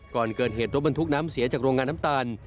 ก่อนเกิดเหตุรถบรรทุกน้ำเสียจากโรงงานน้ำตาล